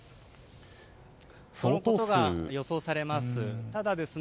そのことが予想されます。